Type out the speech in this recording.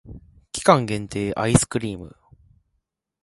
期間限定アイスクリーム